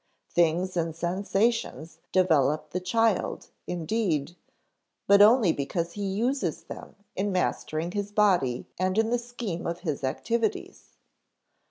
Things and sensations develop the child, indeed, but only because he uses them in mastering his body and in the scheme of his activities.